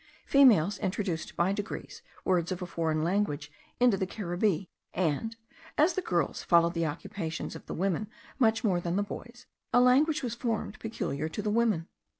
Females introduced by degrees words of a foreign language into the Caribbee; and, as the girls followed the occupations of the women much more than the boys, a language was formed peculiar to the women.